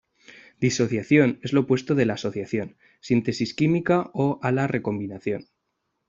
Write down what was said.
Disociación es lo opuesto de la asociación, síntesis química o a la recombinación.